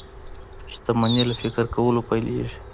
شتمني له فکر کولو پيلېږي.